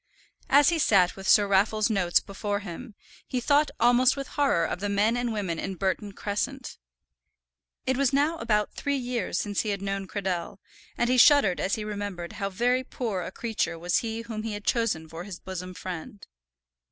As he sat with Sir Raffle's notes before him, he thought almost with horror of the men and women in Burton Crescent. It was now about three years since he had first known Cradell, and he shuddered as he remembered how very poor a creature was he whom he had chosen for his bosom friend.